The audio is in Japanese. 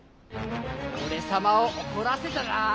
おれさまをおこらせたな。